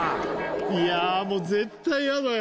いやあもう絶対やだ